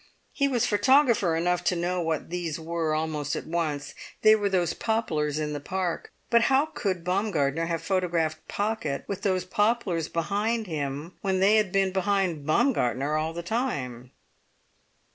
He was photographer enough to know what these were almost at once; they were those poplars in the park. But how could Baumgartner have photographed Pocket with those poplars behind him when they had been behind Baumgartner all the time?